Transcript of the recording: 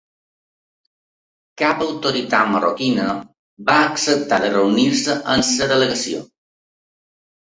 Cap autoritat marroquina va acceptar de reunir-se amb la delegació.